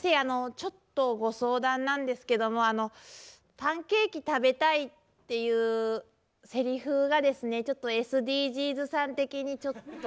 ちょっとご相談なんですけども「パンケーキ食べたい」っていうセリフがですねちょっとＳＤＧｓさん的にちょっと。